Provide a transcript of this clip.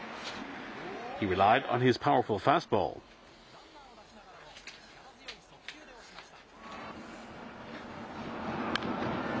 ランナーを出しながらも、力強い速球で押しました。